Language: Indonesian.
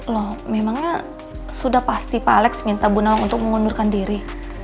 loh memangnya sudah pasti pak alex minta bu nawa untuk mengundurkan diri